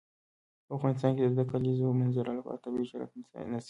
په افغانستان کې د د کلیزو منظره لپاره طبیعي شرایط مناسب دي.